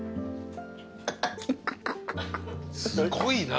すごいな。